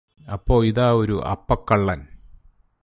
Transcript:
അപ്പോ ഇതാ ഒരു അപ്പക്കള്ളന്